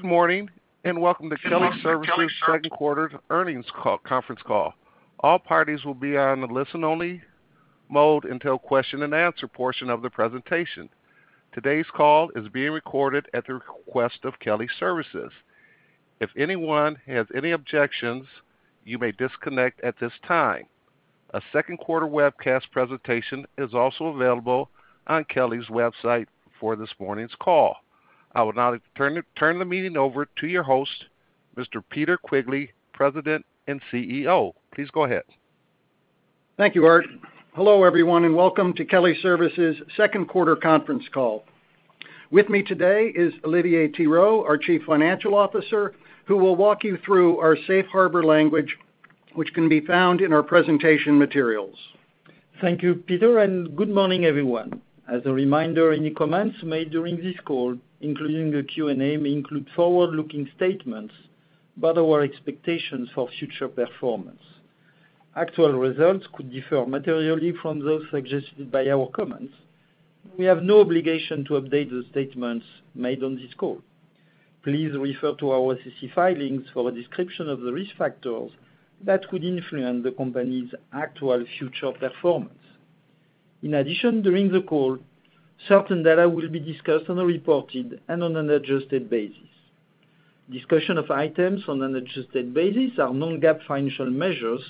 Good morning. Welcome to Kelly Services second quarter conference call. All parties will be on a listen-only mode until question and answer portion of the presentation. Today's call is being recorded at the request of Kelly Services. If anyone has any objections, you may disconnect at this time. A second quarter webcast presentation is also available on Kelly's website for this morning's call. I would now turn the meeting over to your host, Mr. Peter Quigley, President and CEO. Please go ahead. Thank you, Art. Hello, everyone, and welcome to Kelly Services second quarter conference call. With me today is Olivier Thirot, our Chief Financial Officer, who will walk you through our safe harbor language, which can be found in our presentation materials. Thank you, Peter, and good morning, everyone. As a reminder, any comments made during this call, including the Q&A, may include forward-looking statements about our expectations for future performance. Actual results could differ materially from those suggested by our comments. We have no obligation to update the statements made on this call. Please refer to our SEC filings for a description of the risk factors that could influence the company's actual future performance. In addition, during the call, certain data will be discussed on a reported and on an adjusted basis. Discussion of items on an adjusted basis are non-GAAP financial measures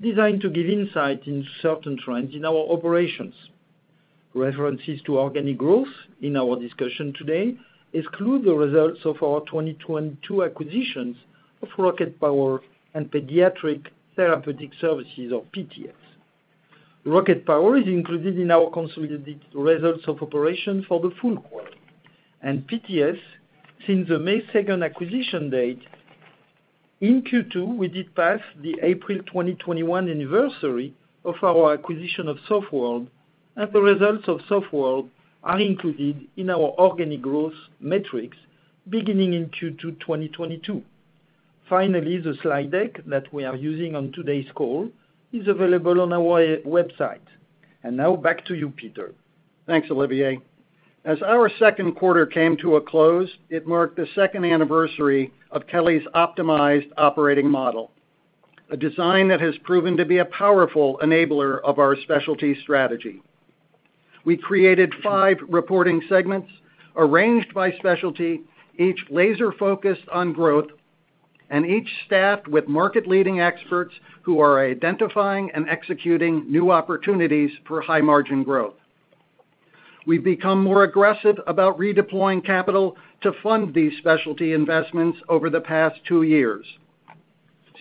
designed to give insight into certain trends in our operations. References to organic growth in our discussion today exclude the results of our 2022 acquisitions of RocketPower and Pediatric Therapeutic Services or PTS. RocketPower is included in our consolidated results of operations for the full quarter, and PTS since the May 2nd acquisition date. In Q2, we did pass the April 2021 anniversary of our acquisition of Softworld, and the results of Softworld are included in our organic growth metrics beginning in Q2 2022. Finally, the slide deck that we are using on today's call is available on our website. Now back to you, Peter. Thanks, Olivier. As our second quarter came to a close, it marked the second anniversary of Kelly's optimized operating model, a design that has proven to be a powerful enabler of our specialty strategy. We created five reporting segments arranged by specialty, each laser-focused on growth and each staffed with market leading experts who are identifying and executing new opportunities for high margin growth. We've become more aggressive about redeploying capital to fund these specialty investments over the past two years,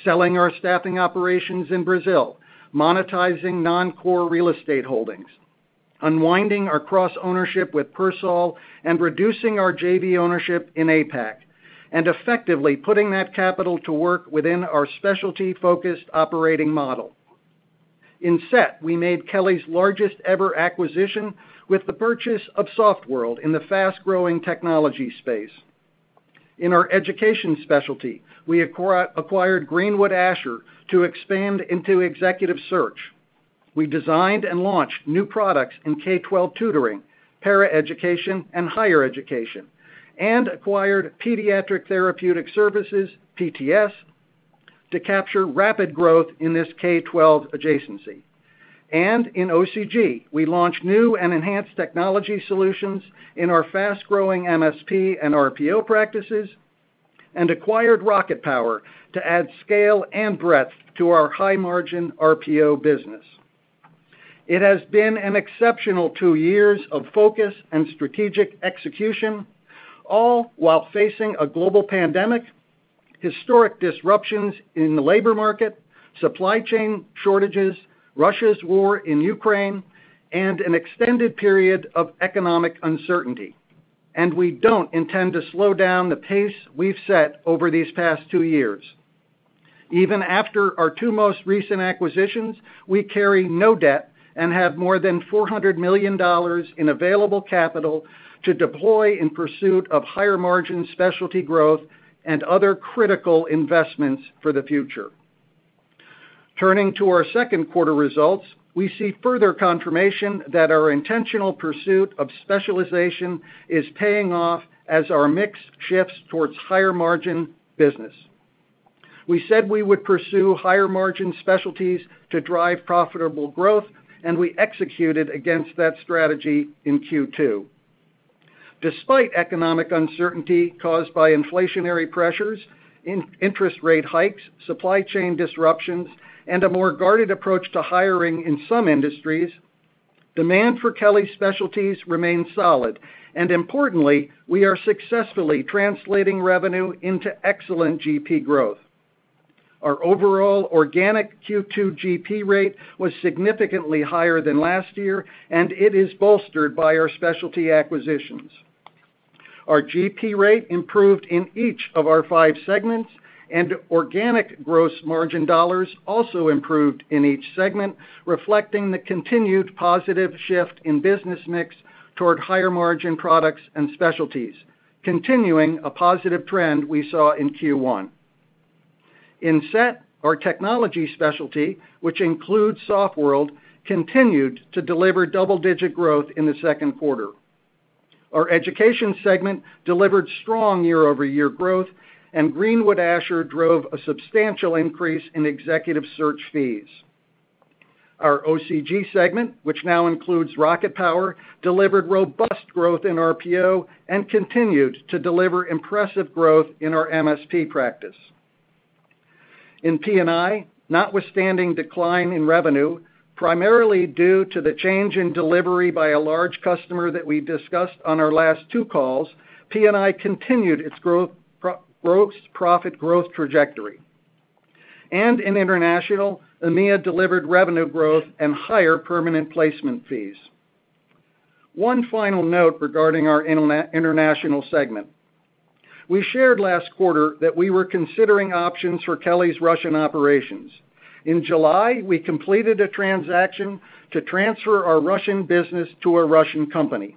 selling our staffing operations in Brazil, monetizing non-core real estate holdings, unwinding our cross-ownership with Persol, and reducing our JV ownership in APAC, and effectively putting that capital to work within our specialty focused operating model. In 2022, we made Kelly's largest ever acquisition with the purchase of Softworld in the fast-growing technology space. In our education specialty, we acquired Greenwood/Asher & Associates to expand into executive search. We designed and launched new products in K-12 tutoring, para education and higher education, and acquired Pediatric Therapeutic Services, PTS, to capture rapid growth in this K-12 adjacency. In OCG, we launched new and enhanced technology solutions in our fast-growing MSP and RPO practices, and acquired RocketPower to add scale and breadth to our high margin RPO business. It has been an exceptional two years of focus and strategic execution, all while facing a global pandemic, historic disruptions in the labor market, supply chain shortages, Russia's war in Ukraine, and an extended period of economic uncertainty. We don't intend to slow down the pace we've set over these past two years. Even after our two most recent acquisitions, we carry no debt and have more than $400 million in available capital to deploy in pursuit of higher margin specialty growth and other critical investments for the future. Turning to our second quarter results, we see further confirmation that our intentional pursuit of specialization is paying off as our mix shifts towards higher margin business. We said we would pursue higher margin specialties to drive profitable growth, and we executed against that strategy in Q2. Despite economic uncertainty caused by inflationary pressures, interest rate hikes, supply chain disruptions, and a more guarded approach to hiring in some industries, demand for Kelly specialties remains solid. Importantly, we are successfully translating revenue into excellent GP growth. Our overall organic Q2 GP rate was significantly higher than last year, and it is bolstered by our specialty acquisitions. Our GP rate improved in each of our five segments, and organic gross margin dollars also improved in each segment, reflecting the continued positive shift in business mix toward higher margin products and specialties, continuing a positive trend we saw in Q1. In SET, our technology specialty, which includes Softworld, continued to deliver double-digit growth in the second quarter. Our education segment delivered strong year-over-year growth, and Greenwood/Asher drove a substantial increase in executive search fees. Our OCG segment, which now includes RocketPower, delivered robust growth in RPO and continued to deliver impressive growth in our MSP practice. In P&I, notwithstanding decline in revenue, primarily due to the change in delivery by a large customer that we discussed on our last two calls, P&I continued its gross profit growth trajectory. In international, EMEA delivered revenue growth and higher permanent placement fees. One final note regarding our international segment. We shared last quarter that we were considering options for Kelly's Russian operations. In July, we completed a transaction to transfer our Russian business to a Russian company.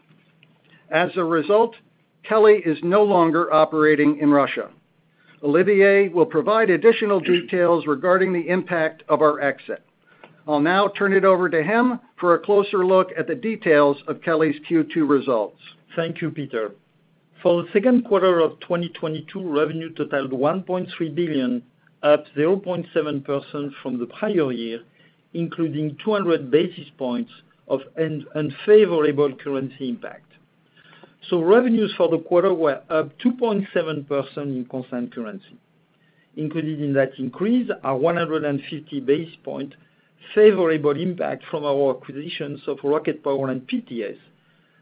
As a result, Kelly is no longer operating in Russia. Olivier will provide additional details regarding the impact of our exit. I'll now turn it over to him for a closer look at the details of Kelly's Q2 results. Thank you, Peter. For the second quarter of 2022, revenue totaled $1.3 billion, up 0.7% from the prior year, including 200 basis points of unfavorable currency impact. Revenues for the quarter were up 2.7% in constant currency. Included in that increase are 150 basis points favorable impact from our acquisitions of RocketPower and PTS,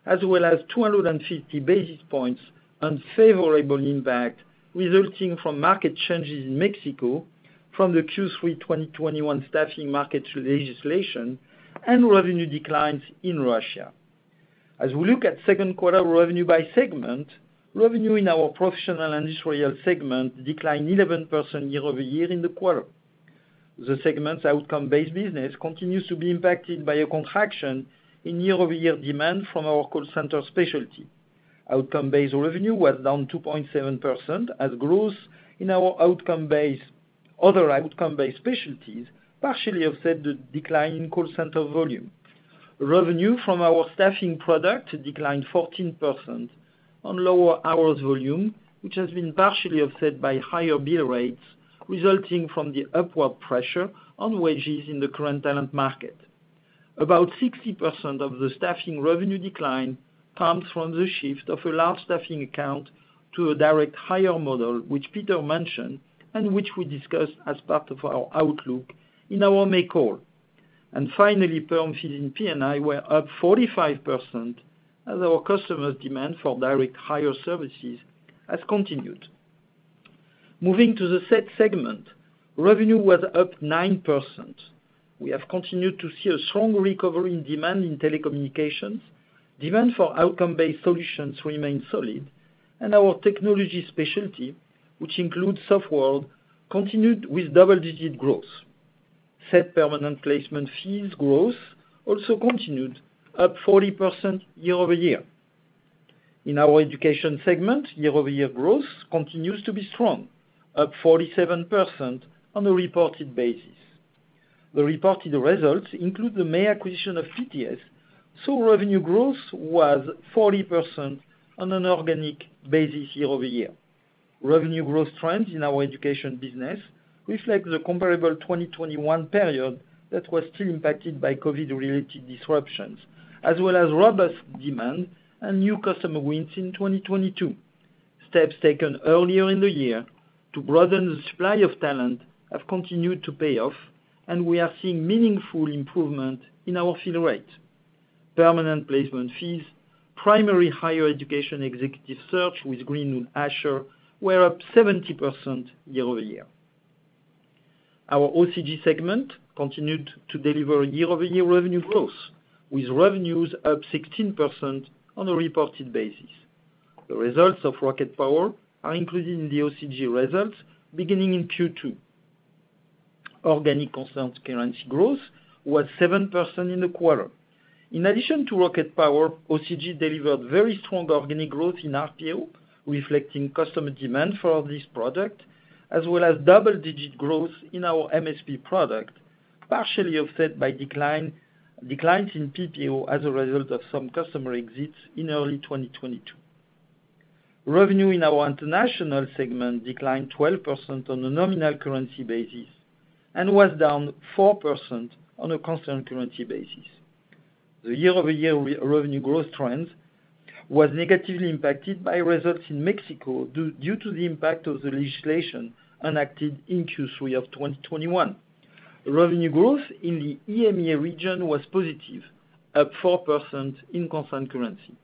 as well as 250 basis points unfavorable impact resulting from market changes in Mexico from the Q3 2021 staffing market legislation and revenue declines in Russia. As we look at second quarter revenue by segment, revenue in our professional industrial segment declined 11% year-over-year in the quarter. The segment's outcome-based business continues to be impacted by a contraction in year-over-year demand from our call center specialty. Outcome-based revenue was down 2.7% as growth in our outcome-based, other outcome-based specialties partially offset the decline in call center volume. Revenue from our staffing product declined 14% on lower hours volume, which has been partially offset by higher bill rates resulting from the upward pressure on wages in the current talent market. About 60% of the staffing revenue decline comes from the shift of a large staffing account to a direct hire model, which Peter mentioned, and which we discussed as part of our outlook in our May call. Finally, perm fees in P&I were up 45% as our customers' demand for direct hire services has continued. Moving to the SET segment, revenue was up 9%. We have continued to see a strong recovery in demand in telecommunications. Demand for outcome-based solutions remain solid, and our technology specialty, which includes Softworld, continued with double-digit growth. SET permanent placement fees growth also continued, up 40% year-over-year. In our education segment, year-over-year growth continues to be strong, up 47% on a reported basis. The reported results include the May acquisition of PTS, so revenue growth was 40% on an organic basis year-over-year. Revenue growth trends in our education business reflect the comparable 2021 period that was still impacted by COVID-related disruptions, as well as robust demand and new customer wins in 2022. Steps taken earlier in the year to broaden the supply of talent have continued to pay off, and we are seeing meaningful improvement in our fill rate. Permanent placement fees, primary higher education executive search with Greenwood/Asher were up 70% year-over-year. Our OCG segment continued to deliver year-over-year revenue growth, with revenues up 16% on a reported basis. The results of RocketPower are included in the OCG results beginning in Q2. Organic constant currency growth was 7% in the quarter. In addition to RocketPower, OCG delivered very strong organic growth in RPO, reflecting customer demand for this product, as well as double-digit growth in our MSP product, partially offset by declines in PPO as a result of some customer exits in early 2022. Revenue in our international segment declined 12% on a nominal currency basis and was down 4% on a constant currency basis. The year-over-year revenue growth trend was negatively impacted by results in Mexico due to the impact of the legislation enacted in Q3 of 2021. Revenue growth in the EMEA region was positive, up 4% in constant currency.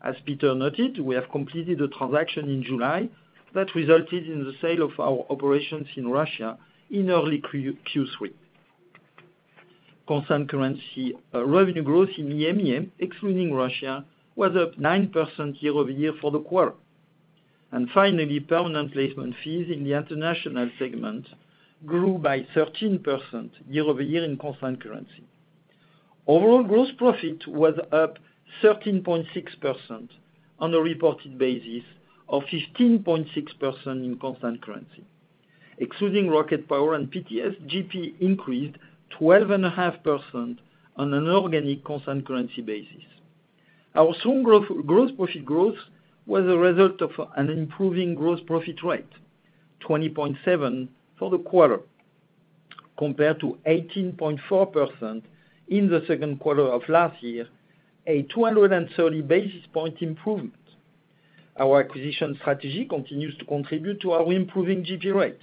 As Peter noted, we have completed a transaction in July that resulted in the sale of our operations in Russia in early Q3. Constant currency revenue growth in EMEA, excluding Russia, was up 9% year-over-year for the quarter. Finally, permanent placement fees in the international segment grew by 13% year-over-year in constant currency. Overall gross profit was up 13.6% on a reported basis of 15.6% in constant currency. Excluding RocketPower and PTS, GP increased 12.5% on an organic constant currency basis. Our strong growth, gross profit growth was a result of an improving gross profit rate, 20.7% for the quarter, compared to 18.4% in the second quarter of last year, a 230 basis point improvement. Our acquisition strategy continues to contribute to our improving GP rate.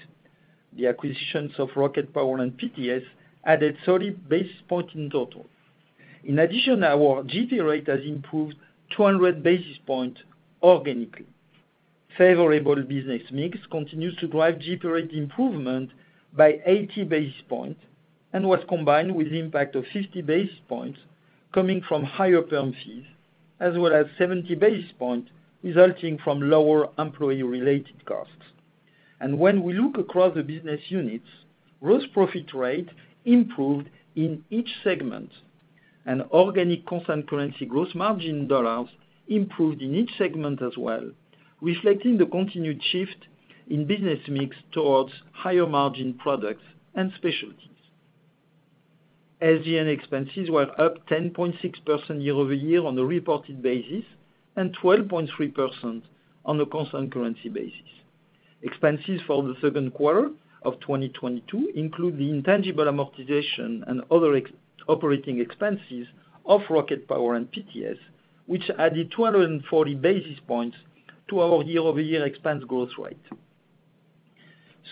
The acquisitions of RocketPower and PTS added 30 basis points in total. In addition, our GP rate has improved 200 basis points organically. Favorable business mix continues to drive GP rate improvement by 80 basis points, and was combined with the impact of 50 basis points coming from higher perm fees, as well as 70 basis points resulting from lower employee-related costs. When we look across the business units, gross profit rate improved in each segment, and organic constant currency gross margin dollars improved in each segment as well, reflecting the continued shift in business mix towards higher margin products and specialties. SG&A expenses were up 10.6% year-over-year on a reported basis, and 12.3% on a constant currency basis. Expenses for the second quarter of 2022 include the intangible amortization and other non-operating expenses of RocketPower and PTS, which added 240 basis points to our year-over-year expense growth rate.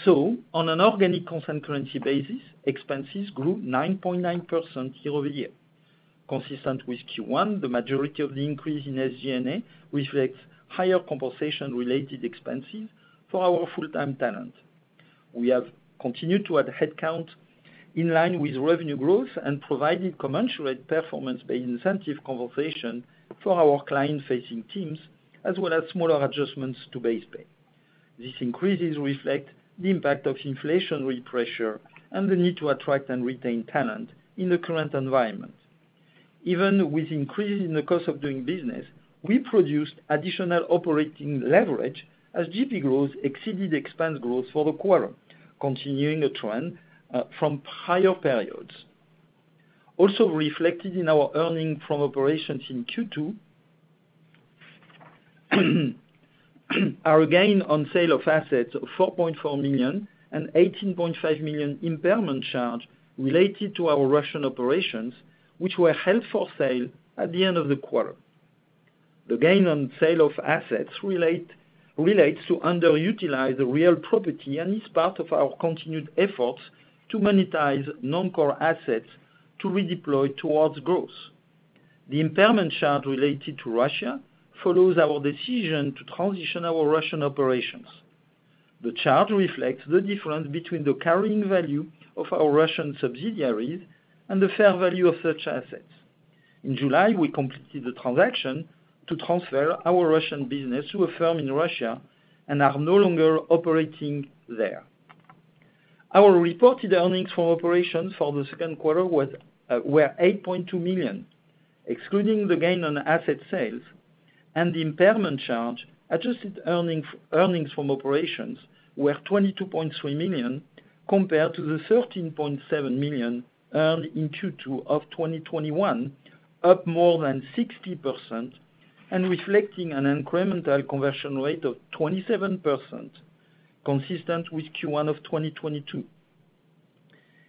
On an organic constant currency basis, expenses grew 9.9% year-over-year. Consistent with Q1, the majority of the increase in SG&A reflects higher compensation related expenses for our full-time talent. We have continued to add headcount in line with revenue growth and provided commensurate performance-based incentive compensation for our client-facing teams, as well as smaller adjustments to base pay. These increases reflect the impact of inflationary pressure and the need to attract and retain talent in the current environment. Even with increases in the cost of doing business, we produced additional operating leverage as GP growth exceeded expense growth for the quarter, continuing a trend from prior periods. Also reflected in our earnings from operations in Q2, our gain on sale of assets of $4.4 million and $18.5 million impairment charge related to our Russian operations, which were held for sale at the end of the quarter. The gain on sale of assets relates to underutilized real property and is part of our continued efforts to monetize non-core assets to redeploy towards growth. The impairment charge related to Russia follows our decision to transition our Russian operations. The charge reflects the difference between the carrying value of our Russian subsidiaries and the fair value of such assets. In July, we completed the transaction to transfer our Russian business to a firm in Russia and are no longer operating there. Our reported earnings from operations for the second quarter was were $8.2 million, excluding the gain on asset sales and the impairment charge. Adjusted earnings from operations were $22.3 million, compared to the $13.7 million earned in Q2 of 2021, up more than 60% and reflecting an incremental conversion rate of 27%, consistent with Q1 of 2022.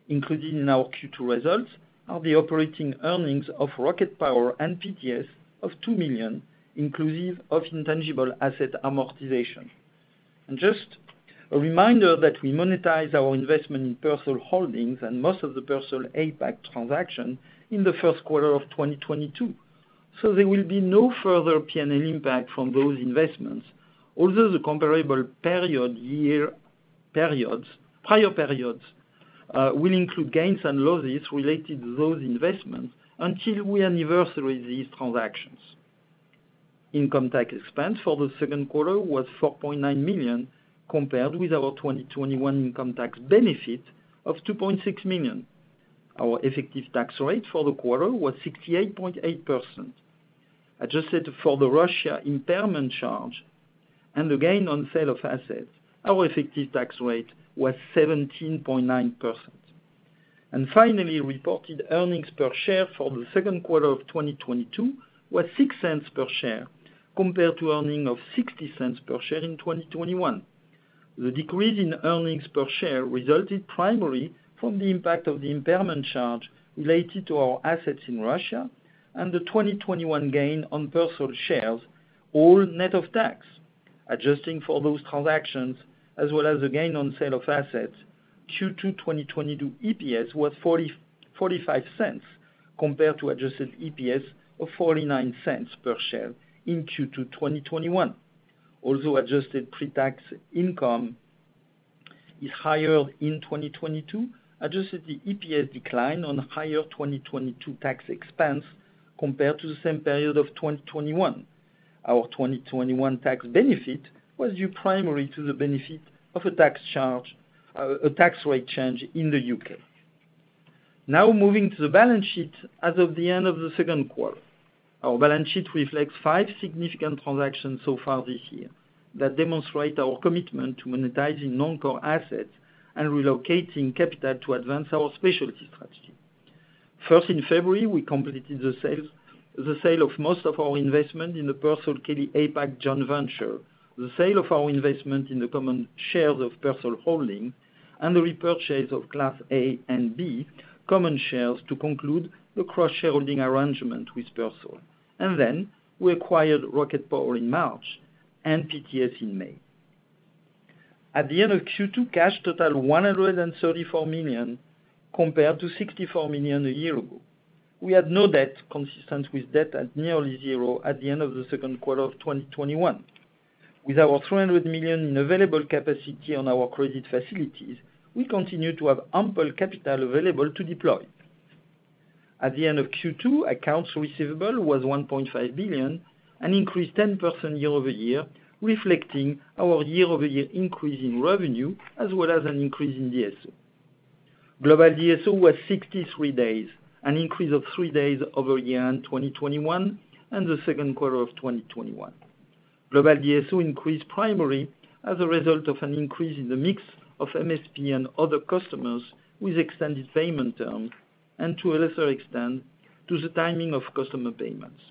Included in our Q2 results are the operating earnings of RocketPower and PTS of $2 million, inclusive of intangible asset amortization. Just a reminder that we monetize our investment in Persol Holdings and most of the PERSOL APAC transaction in the first quarter of 2022. There will be no further P&L impact from those investments. Although the comparable prior periods will include gains and losses related to those investments until we anniversary these transactions. Income tax expense for the second quarter was $4.9 million, compared with our 2021 income tax benefit of $2.6 million. Our effective tax rate for the quarter was 68.8%. Adjusted for the Russia impairment charge and the gain on sale of assets, our effective tax rate was 17.9%. Finally, reported earnings per share for the second quarter of 2022 was $0.06 per share compared to earnings of $0.60 per share in 2021. The decrease in earnings per share resulted primarily from the impact of the impairment charge related to our assets in Russia and the 2021 gain on Persol shares, all net of tax. Adjusting for those transactions as well as the gain on sale of assets, Q2 2022 EPS was $0.45 compared to adjusted EPS of $0.49 per share in Q2 2021. Although adjusted pre-tax income is higher in 2022, adjusted EPS declined on higher 2022 tax expense compared to the same period of 2021. Our 2021 tax benefit was due primarily to the benefit of a tax rate change in the U.K. Now moving to the balance sheet as of the end of the second quarter. Our balance sheet reflects five significant transactions so far this year that demonstrate our commitment to monetizing non-core assets and relocating capital to advance our specialty strategy. First, in February, we completed the sale of most of our investment in the PersolKelly APAC joint venture, the sale of our investment in the common shares of Persol Holdings, and the repurchase of Class A and B common shares to conclude the cross-shareholding arrangement with Persol. We acquired RocketPower in March and PTS in May. At the end of Q2, cash totaled $134 million, compared to $64 million a year ago. We had no debt consistent with debt at nearly zero at the end of the second quarter of 2021. With our $300 million in available capacity on our credit facilities, we continue to have ample capital available to deploy. At the end of Q2, accounts receivable was $1.5 billion, an increase 10% year-over-year, reflecting our year-over-year increase in revenue as well as an increase in DSO. Global DSO was 63 days, an increase of 3 days over year-end 2021 and the second quarter of 2021. Global DSO increased primarily as a result of an increase in the mix of MSP and other customers with extended payment terms and to a lesser extent, to the timing of customer payments.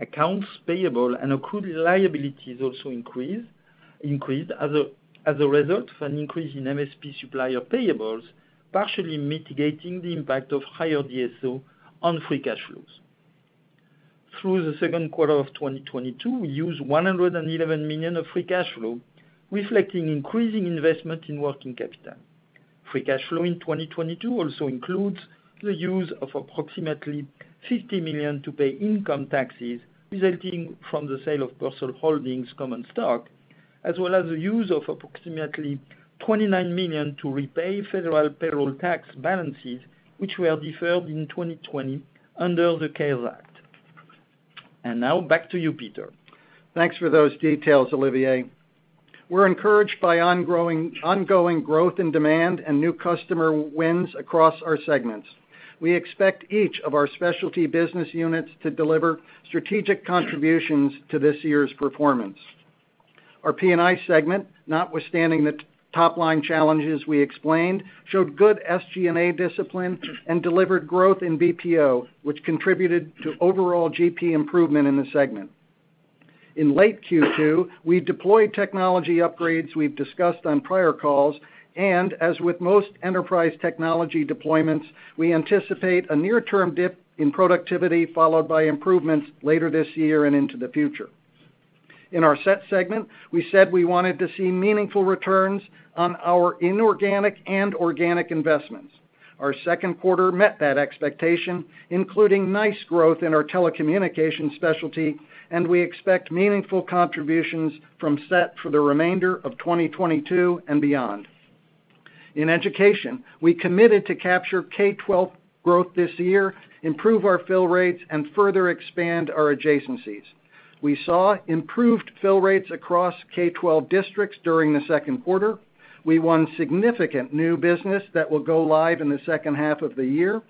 Accounts payable and accrued liabilities also increased as a result of an increase in MSP supplier payables, partially mitigating the impact of higher DSO on free cash flows. Through the second quarter of 2022, we used $111 million of free cash flow, reflecting increasing investment in working capital. Free cash flow in 2022 also includes the use of approximately $50 million to pay income taxes resulting from the sale of Persol Holdings common stock, as well as the use of approximately $29 million to repay federal payroll tax balances, which were deferred in 2020 under the CARES Act. Now back to you, Peter. Thanks for those details, Olivier. We're encouraged by ongoing growth in demand and new customer wins across our segments. We expect each of our specialty business units to deliver strategic contributions to this year's performance. Our P&I segment, notwithstanding the top-line challenges we explained, showed good SG&A discipline and delivered growth in BPO, which contributed to overall GP improvement in the segment. In late Q2, we deployed technology upgrades we've discussed on prior calls, and as with most enterprise technology deployments, we anticipate a near-term dip in productivity, followed by improvements later this year and into the future. In our SET segment, we said we wanted to see meaningful returns on our inorganic and organic investments. Our second quarter met that expectation, including nice growth in our telecommunications specialty, and we expect meaningful contributions from SET for the remainder of 2022 and beyond. In education, we committed to capture K-12 growth this year, improve our fill rates, and further expand our adjacencies. We saw improved fill rates across K-12 districts during the second quarter. We won significant new business that will go live in the second half of the year,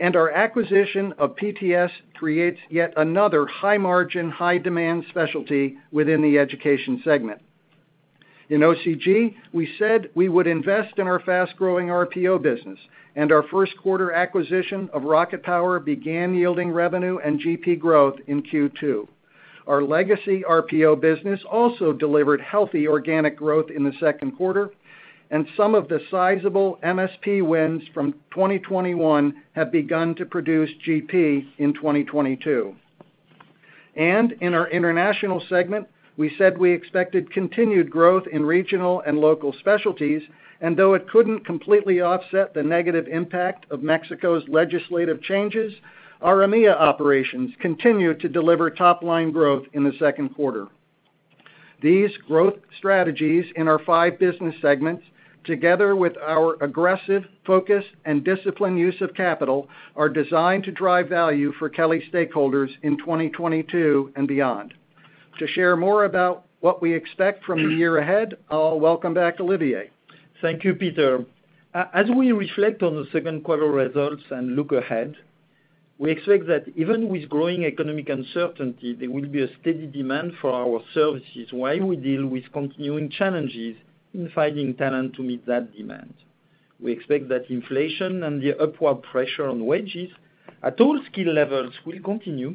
and our acquisition of PTS creates yet another high margin, high demand specialty within the education segment. In OCG, we said we would invest in our fast-growing RPO business, and our first quarter acquisition of RocketPower began yielding revenue and GP growth in Q2. Our legacy RPO business also delivered healthy organic growth in the second quarter, and some of the sizable MSP wins from 2021 have begun to produce GP in 2022. In our international segment, we said we expected continued growth in regional and local specialties, and though it couldn't completely offset the negative impact of Mexico's legislative changes, our EMEA operations continued to deliver top-line growth in the second quarter. These growth strategies in our five business segments, together with our aggressive focus and disciplined use of capital, are designed to drive value for Kelly stakeholders in 2022 and beyond. To share more about what we expect from the year ahead, I'll welcome back Olivier. Thank you, Peter. As we reflect on the second quarter results and look ahead, we expect that even with growing economic uncertainty, there will be a steady demand for our services while we deal with continuing challenges in finding talent to meet that demand. We expect that inflation and the upward pressure on wages at all skill levels will continue,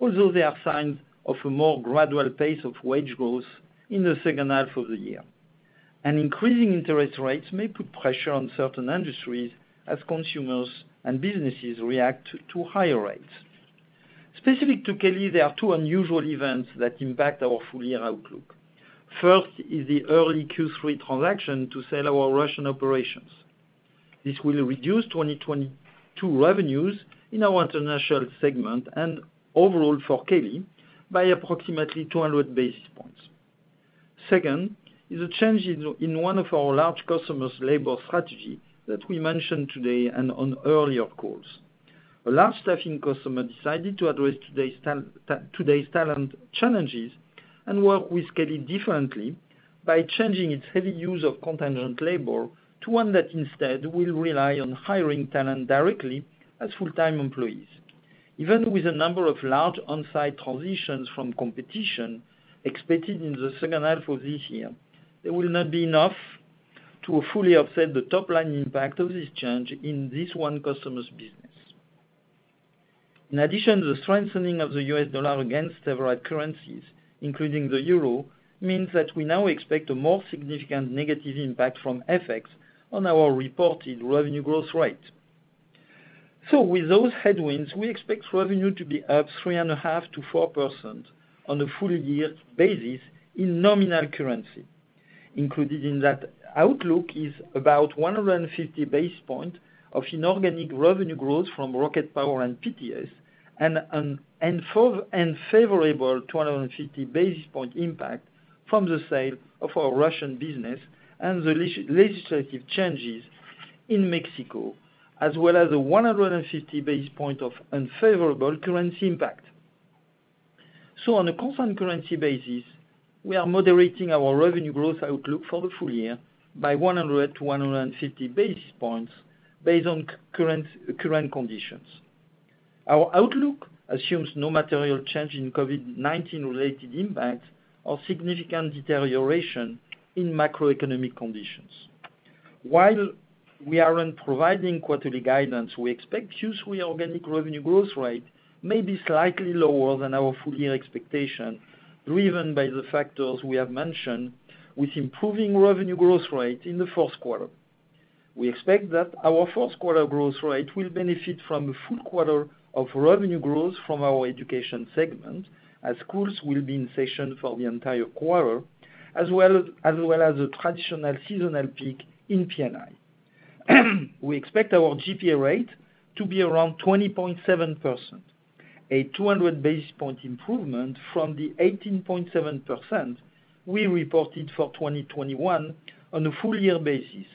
although there are signs of a more gradual pace of wage growth in the second half of the year. Increasing interest rates may put pressure on certain industries as consumers and businesses react to higher rates. Specific to Kelly, there are two unusual events that impact our full-year outlook. First is the early Q3 transaction to sell our Russian operations. This will reduce 2022 revenues in our international segment and overall for Kelly by approximately 200 basis points. Second is a change in one of our large customers' labor strategy that we mentioned today and on earlier calls. A large staffing customer decided to address today's talent challenges and work with Kelly differently by changing its heavy use of contingent labor to one that instead will rely on hiring talent directly as full-time employees. Even with a number of large on-site transitions from competition expected in the second half of this year, it will not be enough to fully offset the top-line impact of this change in this one customer's business. In addition, the strengthening of the U.S. dollar against several currencies, including the euro, means that we now expect a more significant negative impact from FX on our reported revenue growth rate. With those headwinds, we expect revenue to be up 3.5%-4% on a full year basis in nominal currency. Included in that outlook is about 150 basis points of inorganic revenue growth from RocketPower and PTS and favorable 250 basis points impact from the sale of our Russian business and the legislative changes in Mexico, as well as 150 basis points of unfavorable currency impact. On a constant currency basis, we are moderating our revenue growth outlook for the full year by 100 basis points-150 basis points based on current conditions. Our outlook assumes no material change in COVID-19 related impact or significant deterioration in macroeconomic conditions. While we aren't providing quarterly guidance, we expect Q3 organic revenue growth rate may be slightly lower than our full year expectation, driven by the factors we have mentioned with improving revenue growth rate in the first quarter. We expect that our first quarter growth rate will benefit from a full quarter of revenue growth from our education segment, as schools will be in session for the entire quarter, as well as a traditional seasonal peak in P&I. We expect our GP rate to be around 20.7%, a 200 basis point improvement from the 18.7% we reported for 2021 on a full year basis,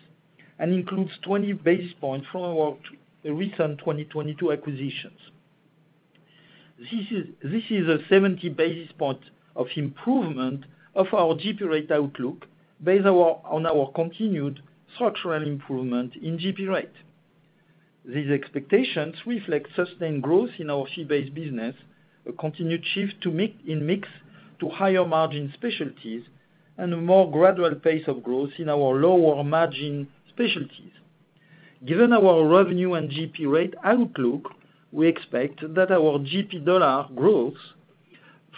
and includes 20 basis points from our recent 2022 acquisitions. This is a 70 basis point improvement in our GP rate outlook based on our continued structural improvement in GP rate. These expectations reflect sustained growth in our fee-based business, a continued shift to mix to higher margin specialties, and a more gradual pace of growth in our lower margin specialties. Given our revenue and GP rate outlook, we expect that our GP dollar growth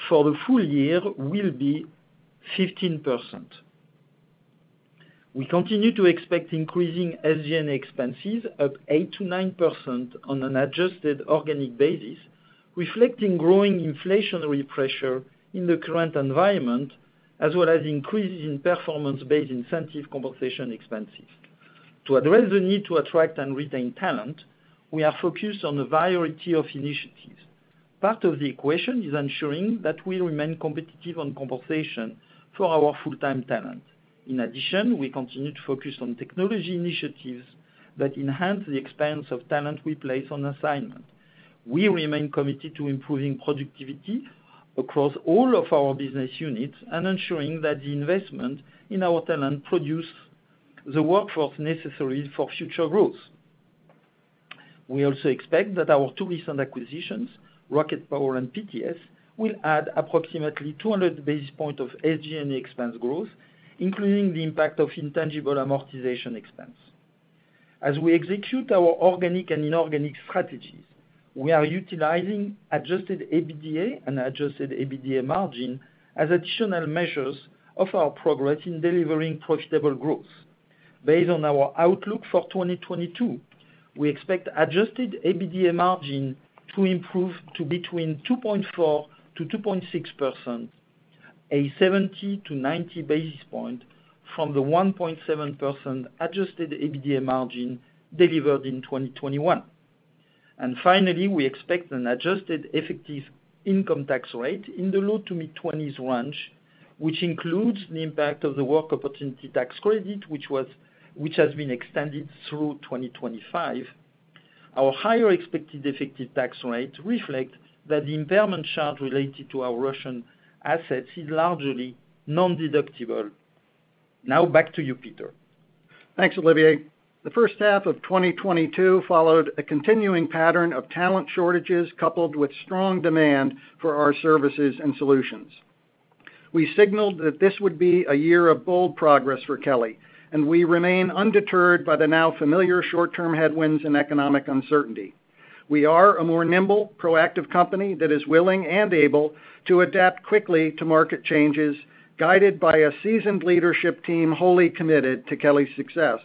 for the full year will be 15%. We continue to expect increasing SG&A expenses of 8%-9% on an adjusted organic basis, reflecting growing inflationary pressure in the current environment, as well as increases in performance-based incentive compensation expenses. To address the need to attract and retain talent, we are focused on a variety of initiatives. Part of the equation is ensuring that we remain competitive on compensation for our full-time talent. In addition, we continue to focus on technology initiatives that enhance the experience of talent we place on assignment. We remain committed to improving productivity across all of our business units and ensuring that the investment in our talent produce the workforce necessary for future growth. We also expect that our two recent acquisitions, RocketPower and PTS, will add approximately 200 basis points of SG&A expense growth, including the impact of intangible amortization expense. As we execute our organic and inorganic strategies, we are utilizing adjusted EBITDA and adjusted EBITDA margin as additional measures of our progress in delivering profitable growth. Based on our outlook for 2022, we expect adjusted EBITDA margin to improve to between 2.4%-2.6%, a 70-90 basis points from the 1.7% adjusted EBITDA margin delivered in 2021. Finally, we expect an adjusted effective income tax rate in the low to mid-20s range, which includes the impact of the Work Opportunity Tax Credit, which has been extended through 2025. Our higher expected effective tax rate reflect that the impairment charge related to our Russian assets is largely non-deductible. Now back to you, Peter. Thanks, Olivier. The first half of 2022 followed a continuing pattern of talent shortages coupled with strong demand for our services and solutions. We signaled that this would be a year of bold progress for Kelly, and we remain undeterred by the now familiar short-term headwinds and economic uncertainty. We are a more nimble, proactive company that is willing and able to adapt quickly to market changes, guided by a seasoned leadership team wholly committed to Kelly's success.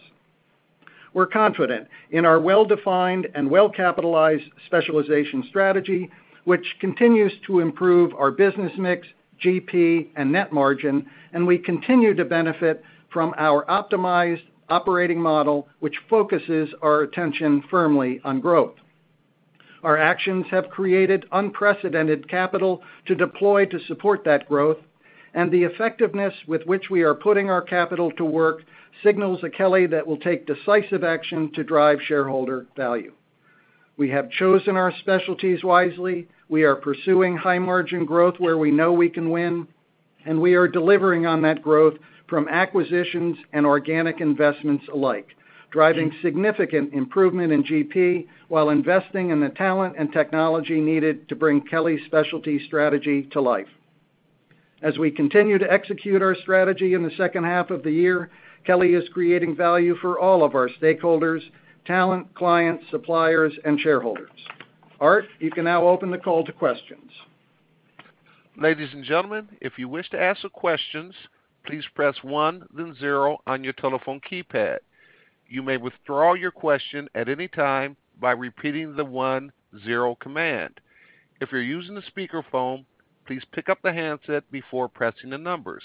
We're confident in our well-defined and well-capitalized specialization strategy, which continues to improve our business mix, GP, and net margin, and we continue to benefit from our optimized operating model, which focuses our attention firmly on growth. Our actions have created unprecedented capital to deploy to support that growth, and the effectiveness with which we are putting our capital to work signals a Kelly that will take decisive action to drive shareholder value. We have chosen our specialties wisely, we are pursuing high-margin growth where we know we can win, and we are delivering on that growth from acquisitions and organic investments alike, driving significant improvement in GP while investing in the talent and technology needed to bring Kelly's specialty strategy to life. As we continue to execute our strategy in the second half of the year, Kelly is creating value for all of our stakeholders, talent, clients, suppliers and shareholders. Art, you can now open the call to questions. Ladies and gentlemen, if you wish to ask questions, please press one then zero on your telephone keypad. You may withdraw your question at any time by repeating the one zero command. If you're using a speakerphone, please pick up the handset before pressing the numbers.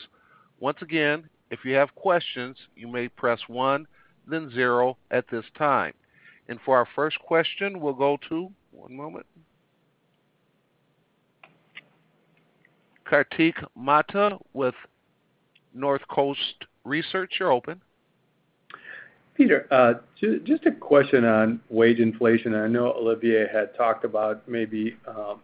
Once again, if you have questions, you may press one then zero at this time. For our first question, we'll go to. One moment. Kartik Mehta with Northcoast Research. You're open. Peter, just a question on wage inflation. I know Olivier had talked about maybe the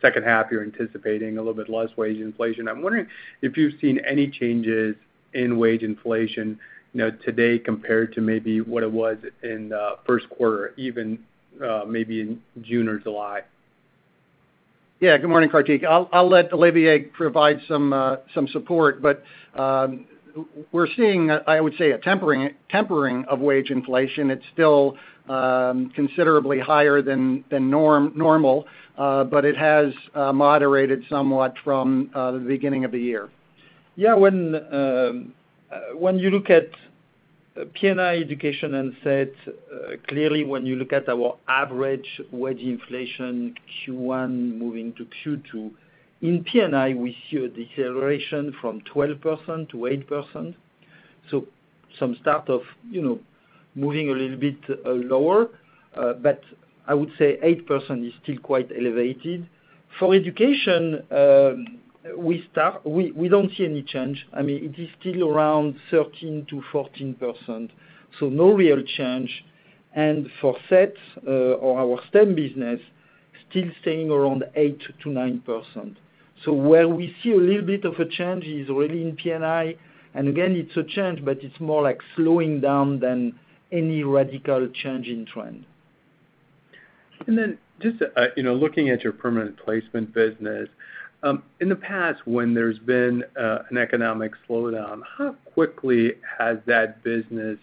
second half you're anticipating a little bit less wage inflation. I'm wondering if you've seen any changes in wage inflation, you know, today compared to maybe what it was in the first quarter, even maybe in June or July. Yeah. Good morning, Kartik. I'll let Olivier provide some support. We're seeing, I would say, a tempering of wage inflation. It's still considerably higher than normal, but it has moderated somewhat from the beginning of the year. When you look at P&I, education and SET, clearly when you look at our average wage inflation Q1 moving to Q2, in P&I, we see a deceleration from 12%-8%. Some sort of, you know, moving a little bit lower. I would say 8% is still quite elevated. For education, we don't see any change. I mean, it is still around 13%-14%, so no real change. For SETs, or our STEM business, still staying around 8%-9%. Where we see a little bit of a change is really in P&I, and again, it's a change, but it's more like slowing down than any radical change in trend. Just, you know, looking at your permanent placement business, in the past when there's been an economic slowdown, how quickly has that business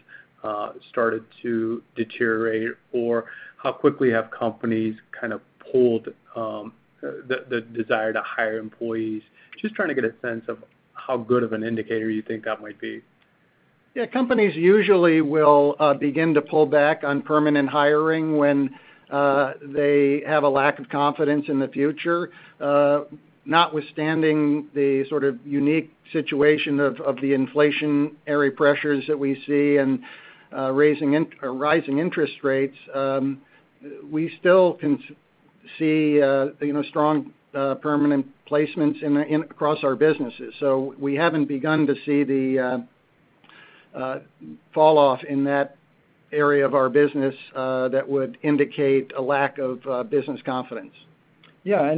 started to deteriorate? Or how quickly have companies kind of pulled the desire to hire employees? Just trying to get a sense of how good of an indicator you think that might be. Yeah. Companies usually will begin to pull back on permanent hiring when they have a lack of confidence in the future. Notwithstanding the sort of unique situation of the inflationary pressures that we see and rising interest rates, we still can see you know strong permanent placements across our businesses. We haven't begun to see the fall off in that area of our business that would indicate a lack of business confidence. Yeah.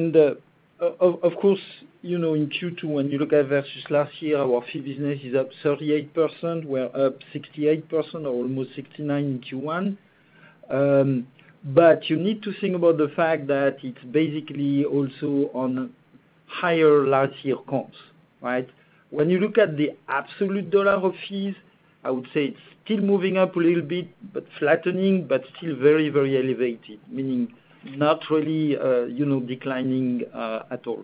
Of course, you know, in Q2, when you look at versus last year, our fee business is up 38%. We're up 68% or almost 69% in Q1. But you need to think about the fact that it's basically also on higher last year comps, right? When you look at the absolute dollar of fees, I would say it's still moving up a little bit, but flattening, but still very, very elevated, meaning not really, you know, declining at all.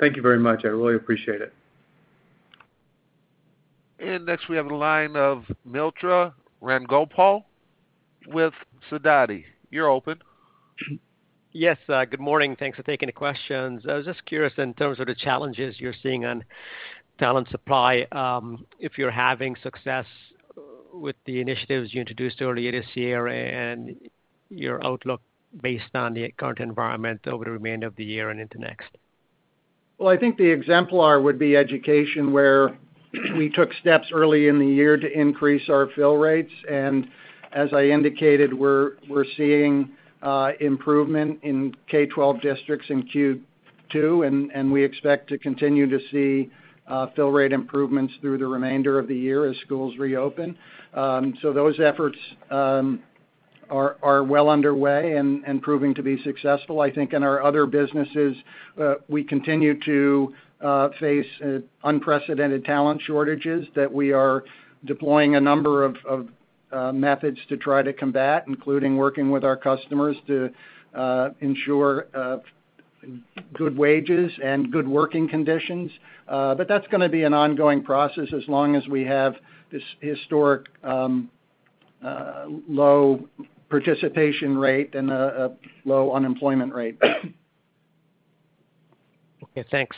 Thank you very much. I really appreciate it. Next we have the line of Mitra Ramgopal with Sidoti. You're open. Yes, good morning. Thanks for taking the questions. I was just curious in terms of the challenges you're seeing on talent supply, if you're having success with the initiatives you introduced earlier this year and your outlook based on the current environment over the remainder of the year and into next. Well, I think the exemplar would be education, where we took steps early in the year to increase our fill rates. As I indicated, we're seeing improvement in K-12 districts in Q2, and we expect to continue to see fill rate improvements through the remainder of the year as schools reopen. Those efforts are well underway and proving to be successful. I think in our other businesses, we continue to face unprecedented talent shortages that we are deploying a number of methods to try to combat, including working with our customers to ensure good wages and good working conditions. That's gonna be an ongoing process as long as we have this historic low participation rate and a low unemployment rate. Okay, thanks.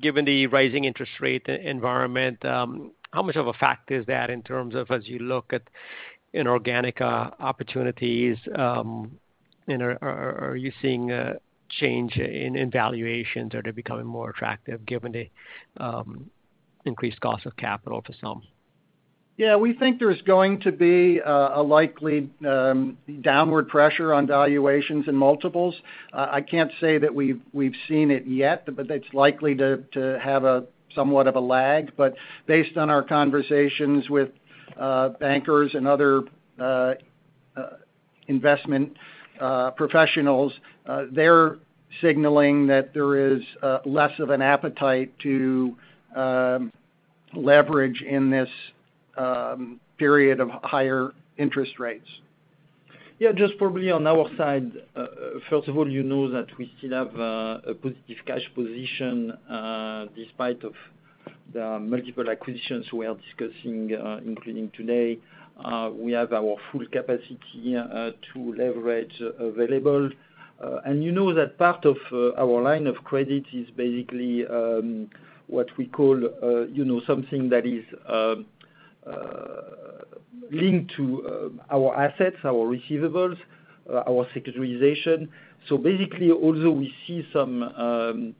Given the rising interest rate environment, how much of a factor is that in terms of as you look at inorganic opportunities, and are you seeing a change in valuations? Are they becoming more attractive given the increased cost of capital for some? Yeah, we think there's going to be a likely downward pressure on valuations and multiples. I can't say that we've seen it yet, but it's likely to have somewhat of a lag. Based on our conversations with bankers and other investment professionals, they're signaling that there is less of an appetite to leverage in this period of higher interest rates. Yeah, just probably on our side. First of all, you know that we still have a positive cash position, despite of the multiple acquisitions we are discussing, including today. We have our full capacity to leverage available. You know that part of our line of credit is basically what we call, you know, something that is linked to our assets, our receivables, our securitization. Basically, although we see some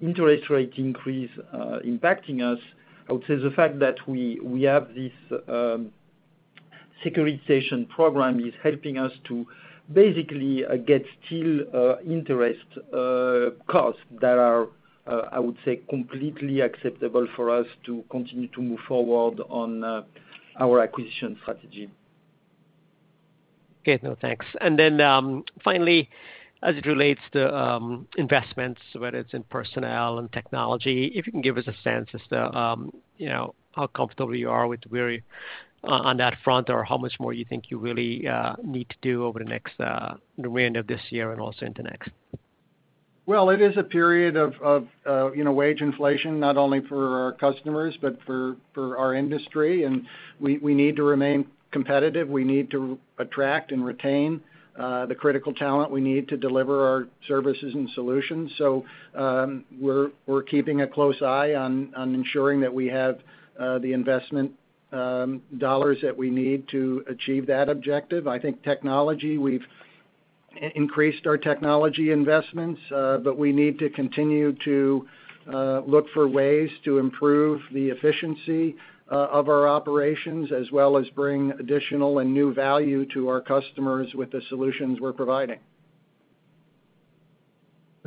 interest rate increase impacting us, I would say the fact that we have this securitization program is helping us to basically get still interest costs that are, I would say, completely acceptable for us to continue to move forward on our acquisition strategy. Okay, no, thanks. Finally, as it relates to investments, whether it's in personnel and technology, if you can give us a sense as to you know, how comfortable you are with where you on that front or how much more you think you really need to do over the next the remainder of this year and also into next. Well, it is a period of, you know, wage inflation, not only for our customers, but for our industry. We need to remain competitive. We need to attract and retain the critical talent we need to deliver our services and solutions. We're keeping a close eye on ensuring that we have the investment dollars that we need to achieve that objective. I think technology, we've increased our technology investments, but we need to continue to look for ways to improve the efficiency of our operations, as well as bring additional and new value to our customers with the solutions we're providing.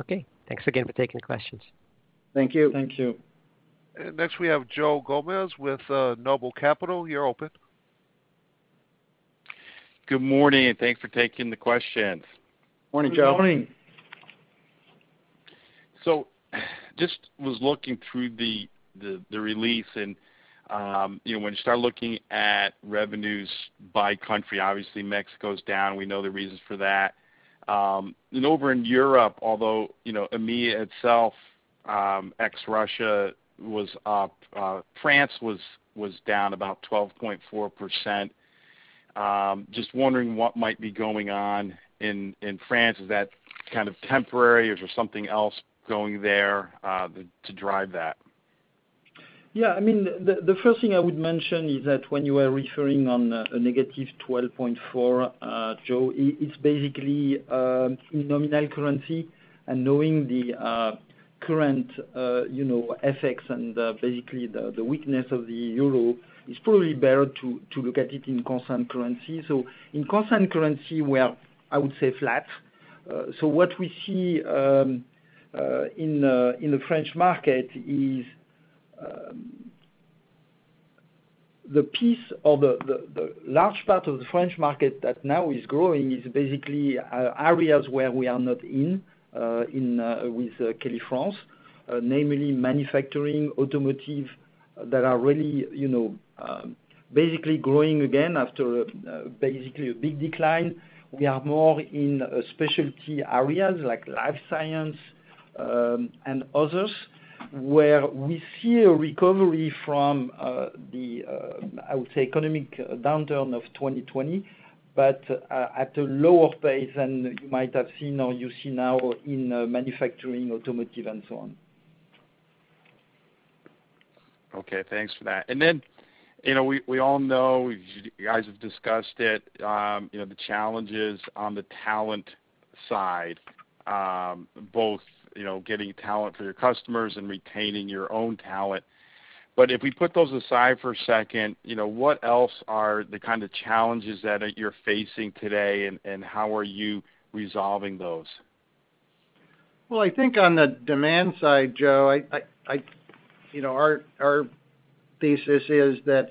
Okay. Thanks again for taking the questions. Thank you. Thank you. Next we have Joe Gomes with Noble Capital. You're open. Good morning, and thanks for taking the questions. Morning, Joe. Good morning. Just was looking through the release and, you know, when you start looking at revenues by country, obviously Mexico's down. We know the reasons for that. Over in Europe, although, you know, EMEA itself, ex Russia was up, France was down about 12.4%. Just wondering what might be going on in France. Is that kind of temporary or is there something else going there to drive that? Yeah, I mean, the first thing I would mention is that when you are referring to -12.4%, Joe, it's basically nominal currency. Knowing the current FX effects and basically the weakness of the euro, it's probably better to look at it in constant currency. In constant currency, we are, I would say, flat. What we see in the French market is the piece of the large part of the French market that now is growing is basically areas where we are not in with Kelly France, namely manufacturing, automotive, that are really basically growing again after basically a big decline. We are more in specialty areas like life science and others, where we see a recovery from the, I would say, economic downturn of 2020, but at a lower pace than you might have seen or you see now in manufacturing, automotive and so on. Okay, thanks for that. Then, you know, we all know you guys have discussed it, you know, the challenges on the talent side, both, you know, getting talent for your customers and retaining your own talent. If we put those aside for a second, you know, what else are the kind of challenges that you're facing today and how are you resolving those? I think on the demand side, Joe, you know, our thesis is that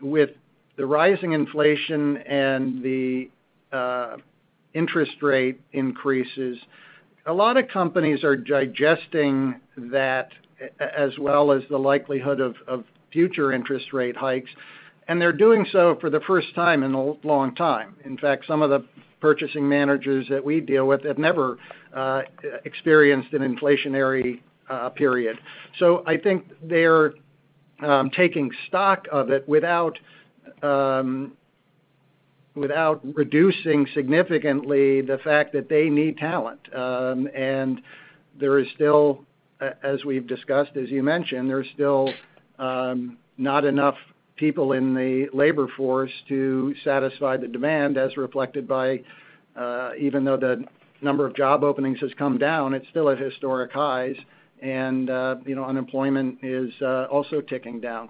with the rising inflation and the interest rate increases, a lot of companies are digesting that as well as the likelihood of future interest rate hikes, and they're doing so for the first time in a long time. In fact, some of the purchasing managers that we deal with have never experienced an inflationary period. I think they're taking stock of it without reducing significantly the fact that they need talent. There is still, as we've discussed, as you mentioned, there's still not enough people in the labor force to satisfy the demand as reflected by, even though the number of job openings has come down, it's still at historic highs, and you know, unemployment is also ticking down.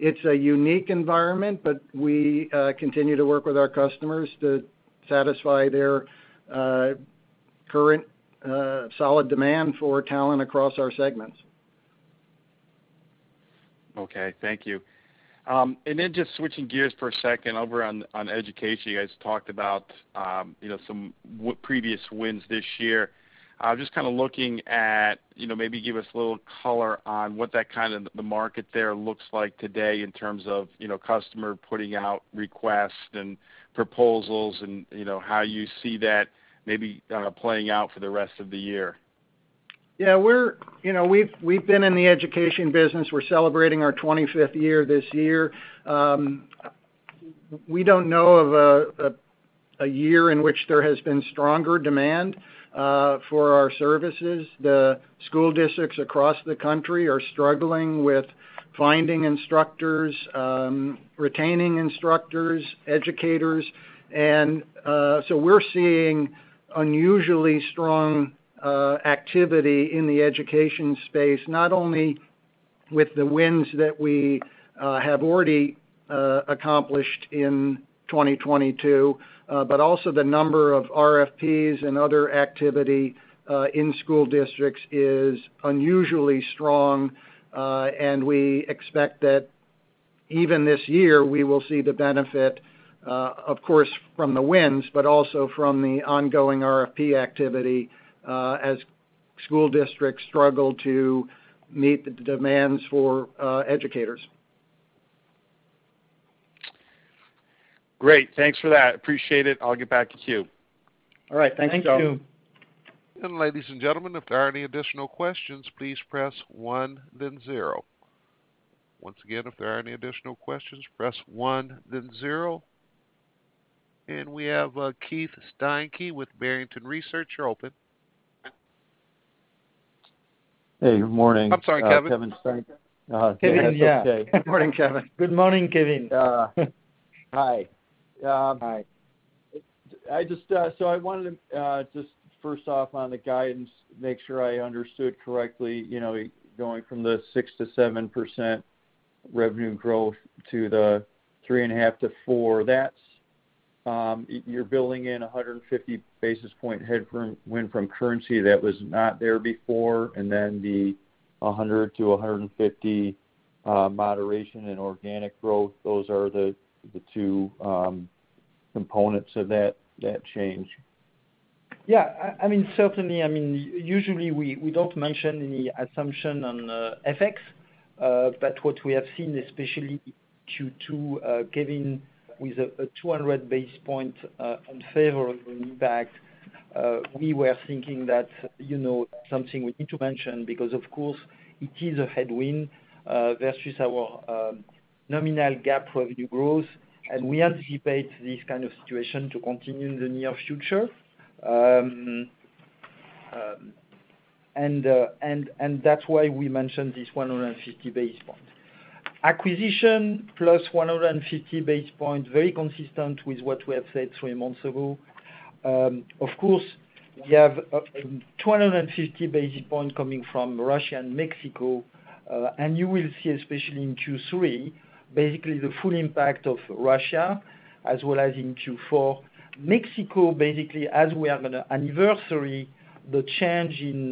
It's a unique environment. We continue to work with our customers to satisfy their current solid demand for talent across our segments. Okay. Thank you. Just switching gears for a second over on education. You guys talked about some previous wins this year. I'm just kinda looking at maybe give us a little color on what that kind of the market there looks like today in terms of customer putting out requests and proposals and how you see that maybe playing out for the rest of the year. You know, we've been in the education business. We're celebrating our 25th year this year. We don't know of a year in which there has been stronger demand for our services. The school districts across the country are struggling with finding instructors, retaining instructors, educators, and so we're seeing unusually strong activity in the education space, not only with the wins that we have already accomplished in 2022, but also the number of RFPs and other activity in school districts is unusually strong, and we expect that even this year, we will see the benefit, of course, from the wins, but also from the ongoing RFP activity, as school districts struggle to meet the demands for educators. Great. Thanks for that. Appreciate it. I'll get back to queue. All right. Thank you. Thank you. Ladies and gentlemen, if there are any additional questions, please press one then zero. Once again, if there are any additional questions, press one then zero. We have Kevin Steinke with Barrington Research. You're open. Hey. Good morning. I'm sorry, Kevin. Kevin Steinke. Hey, how's it going today? Kevin, yeah. Good morning, Kevin. Good morning, Kevin. Hi. Hi. I just wanted to just first off, on the guidance, make sure I understood correctly, you know, going from the 6%-7% revenue growth to the 3.5%-4%. That's, you're building in a 150 basis point headwind from currency that was not there before, and then a 100 basis points-150 basis points moderation in organic growth. Those are the two components of that change. Yeah. I mean, certainly, usually we don't mention any assumption on FX, but what we have seen especially Q2, Kevin, with a 200 basis point unfavorable impact, we were thinking that, you know, something we need to mention because, of course, it is a headwind versus our nominal GAAP revenue growth. We anticipate this kind of situation to continue in the near future. And that's why we mentioned this 150 basis point. Acquisitions plus 150 basis points, very consistent with what we have said three months ago. Of course, we have a 250 basis points coming from Russia and Mexico, and you will see especially in Q3, basically the full impact of Russia as well as in Q4. Mexico, basically, as we are gonna anniversary the change in,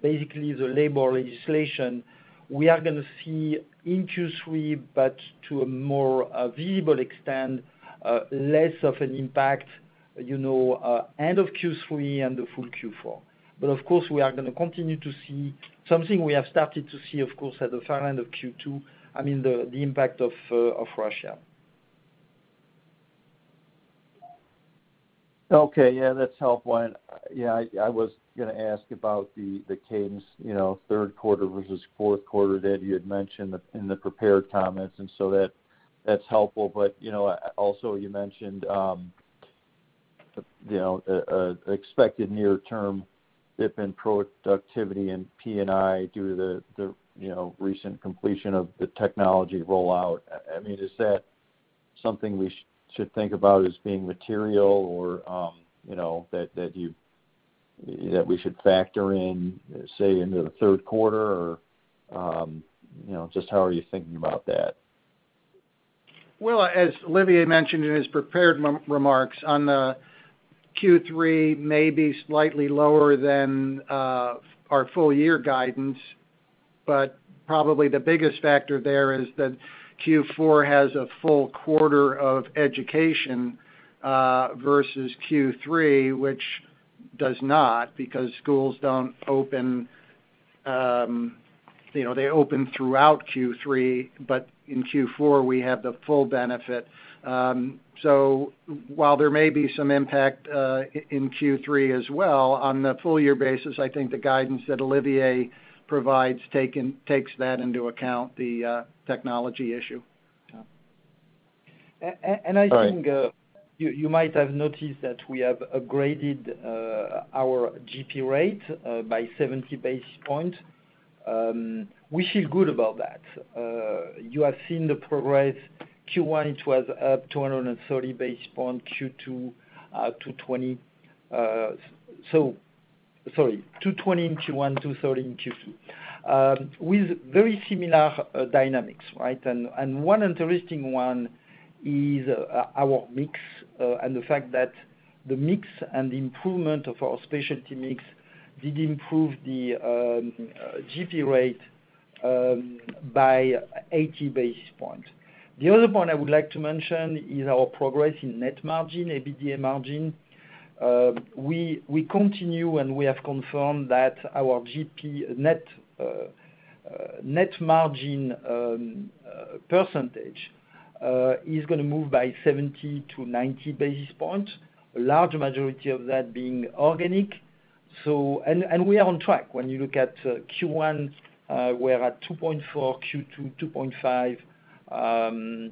basically the labor legislation, we are gonna see in Q3, but to a more, visible extent, less of an impact, you know, end of Q3 and the full Q4. Of course, we are gonna continue to see something we have started to see, of course, at the far end of Q2, I mean, the impact of Russia. Okay. Yeah, that's helpful. Yeah, I was gonna ask about the cadence, you know, third quarter versus fourth quarter that you had mentioned in the prepared comments, and so that's helpful. You know, also you mentioned expected near term dip in productivity in P&I due to the recent completion of the technology rollout. I mean, is that something we should think about as being material or, you know, that we should factor in, say, into the third quarter or, you know, just how are you thinking about that? Well, as Olivier mentioned in his prepared remarks on the Q3 may be slightly lower than our full year guidance, but probably the biggest factor there is that Q4 has a full quarter of education versus Q3, which does not, because schools don't open, you know, they open throughout Q3, but in Q4, we have the full benefit. So while there may be some impact in Q3 as well, on the full year basis, I think the guidance that Olivier provides takes that into account, the technology issue. So. I think you might have noticed that we have upgraded our GP rate by 70 basis points. We feel good about that. You have seen the progress. Q1, it was up 230 basis points. Q2, 220. Sorry, 220 in Q1, 230 in Q2. With very similar dynamics, right? One interesting one is our mix and the fact that the mix and the improvement of our specialty mix did improve the GP rate by 80 basis points. The other point I would like to mention is our progress in net margin, EBITDA margin. We continue, and we have confirmed that our GP net margin percentage is gonna move by 70 basis points-90 basis points, a large majority of that being organic. We are on track. When you look at Q1, we're at 2.4%, Q2, 2.5%,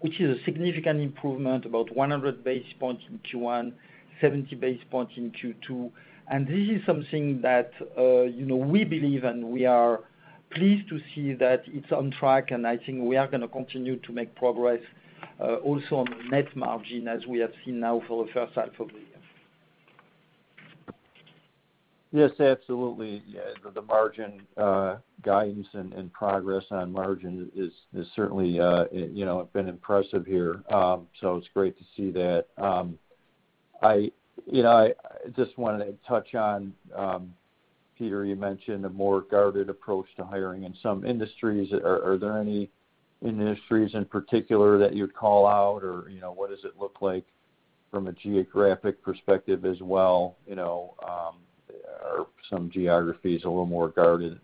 which is a significant improvement, about 100 basis points in Q1, 70 basis points in Q2. This is something that you know, we believe, and we are pleased to see that it's on track, and I think we are gonna continue to make progress also on the net margin as we have seen now for the first half of the year. Yes, absolutely. Yeah, the margin guidance and progress on margin is certainly, you know, been impressive here. It's great to see that. I, you know, I just wanted to touch on, Peter, you mentioned a more guarded approach to hiring in some industries. Are there any industries in particular that you'd call out or, you know, what does it look like from a geographic perspective as well? You know, are some geographies a little more guarded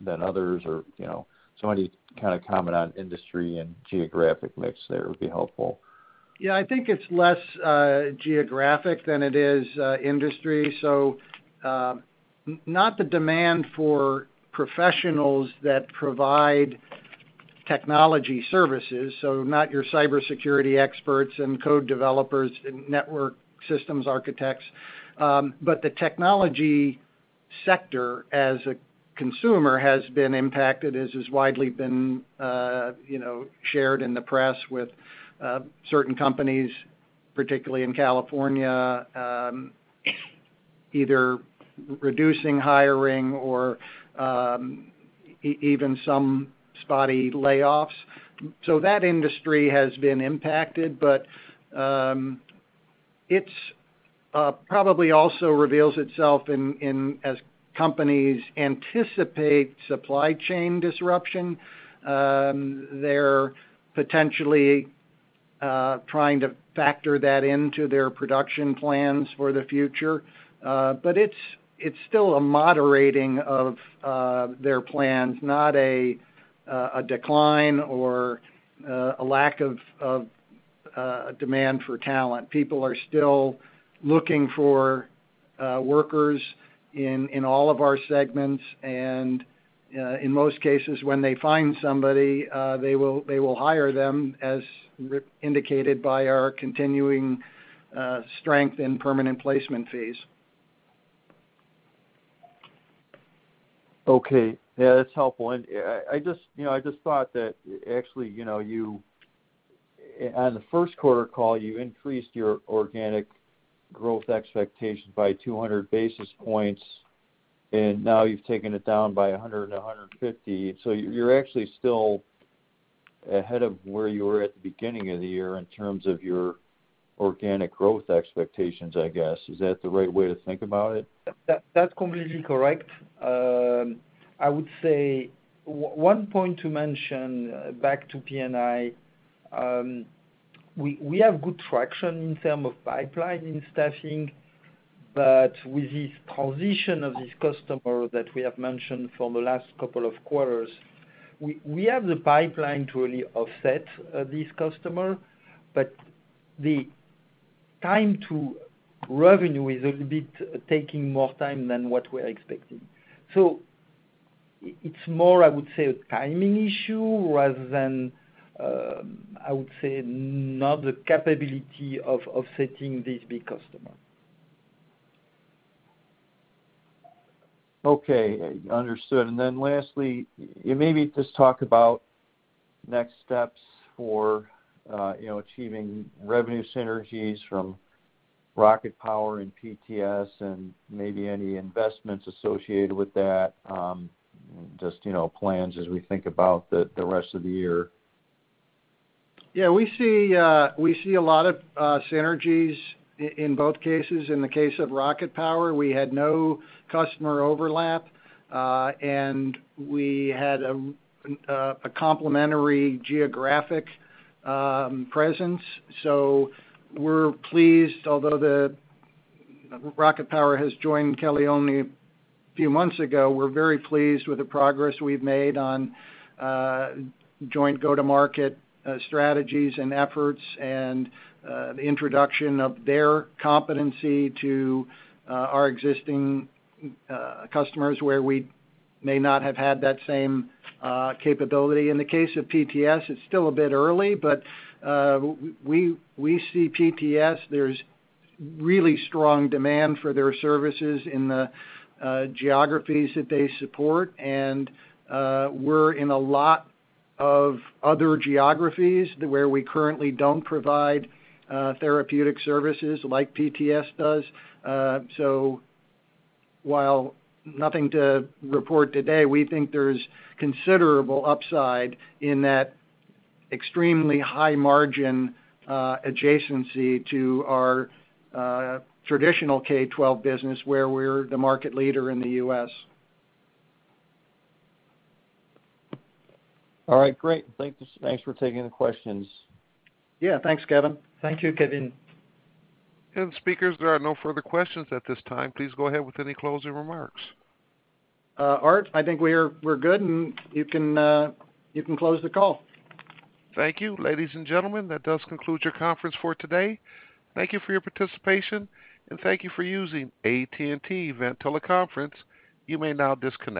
than others or, you know? Any kind of comment on industry and geographic mix there would be helpful. Yeah. I think it's less geographic than it is industry. Not the demand for professionals that provide technology services, so not your cybersecurity experts and code developers and network systems architects. The technology sector as a consumer has been impacted, as has widely been, you know, shared in the press with certain companies, particularly in California, either reducing hiring or even some spotty layoffs. That industry has been impacted, but it's probably also reveals itself in as companies anticipate supply chain disruption, they're potentially trying to factor that into their production plans for the future. It's still a moderating of their plans, not a decline or a lack of demand for talent. People are still looking for workers in all of our segments. In most cases, when they find somebody, they will hire them as indicated by our continuing strength in permanent placement fees. Okay. Yeah, that's helpful. I just, you know, I just thought that actually, you know, on the first quarter call, you increased your organic growth expectations by 200 basis points, and now you've taken it down by 100 basis points-150 basis points. You're actually still ahead of where you were at the beginning of the year in terms of your organic growth expectations, I guess. Is that the right way to think about it? That's completely correct. I would say one point to mention back to P&I, we have good traction in terms of pipeline in staffing, but with this transition of this customer that we have mentioned for the last couple of quarters, we have the pipeline to really offset this customer, but the time to revenue is taking a bit more time than what we're expecting. It's more, I would say, a timing issue rather than I would say, not the capability of offsetting this big customer. Okay. Understood. Then lastly, maybe just talk about next steps for, you know, achieving revenue synergies from RocketPower and PTS and maybe any investments associated with that, just, you know, plans as we think about the rest of the year. Yeah. We see a lot of synergies in both cases. In the case of RocketPower, we had no customer overlap, and we had a complementary geographic presence. We're pleased. Although RocketPower has joined Kelly only a few months ago, we're very pleased with the progress we've made on joint go-to-market strategies and efforts and the introduction of their competency to our existing customers where we may not have had that same capability. In the case of PTS, it's still a bit early, but we see PTS. There's really strong demand for their services in the geographies that they support. We're in a lot of other geographies where we currently don't provide therapeutic services like PTS does. While nothing to report today, we think there's considerable upside in that extremely high margin adjacency to our traditional K-12 business, where we're the market leader in the U.S. All right, great. Thanks for taking the questions. Yeah. Thanks, Kevin. Thank you, Kevin. Speakers, there are no further questions at this time. Please go ahead with any closing remarks. Art, I think we're good, and you can close the call. Thank you. Ladies and gentlemen, that does conclude your conference for today. Thank you for your participation, and thank you for using AT&T Event Conferencing. You may now disconnect.